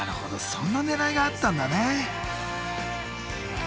そんなねらいがあったんだね。